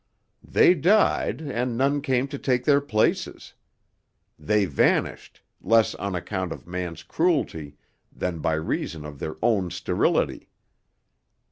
They died, and none came to take their places. They vanished, less on account of man's cruelty than by reason of their own sterility.